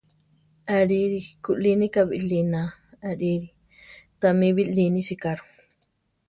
Arirí! kulínika biʼliná! arirí ! Támi biʼlíni sicaro!